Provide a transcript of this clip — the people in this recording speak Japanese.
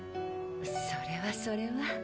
それはそれは。